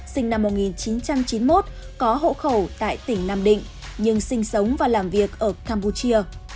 sinh năm một nghìn chín trăm chín mươi một có hộ khẩu tại tỉnh nam định nhưng sinh sống và làm việc ở campuchia